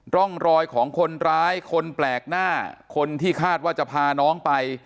ร่องรอยของคนร้ายคนแปลกหน้าคนที่คาดว่าจะพาน้องไป